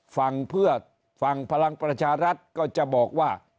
ฝั่งเพื่อฝั่งพลังประชารัฐก็จะบอกว่า